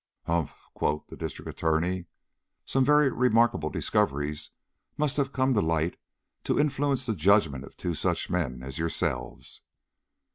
"Humph!" quoth the District Attorney. "Some very remarkable discoveries must have come to light to influence the judgment of two such men as yourselves."